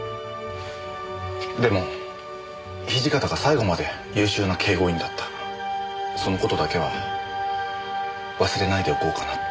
でも土方が最後まで優秀な警護員だったその事だけは忘れないでおこうかなって。